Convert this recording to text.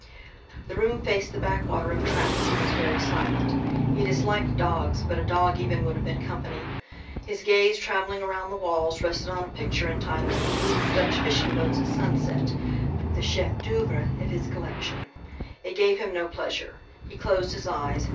The room faced the backwater of traffic, and was very silent. He disliked dogs, but a dog even would have been company. His gaze, travelling round the walls, rested on a picture entitled: "Group of Dutch fishing boats at sunset"; the chef d'œuvre of his collection. It gave him no pleasure. He closed his eyes.